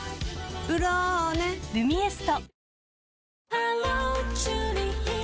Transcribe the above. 「ブローネ」「ルミエスト」